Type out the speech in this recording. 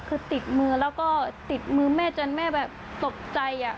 คือติดมือแล้วก็ติดมือแม่จนแม่แบบตกใจ